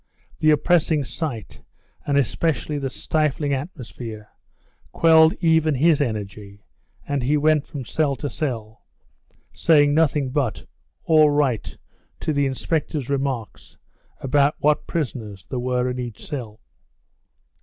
The oppressing sight, and especially the stifling atmosphere, quelled even his energy, and he went from cell to cell, saying nothing but "All right" to the inspector's remarks about what prisoners there were in each cell.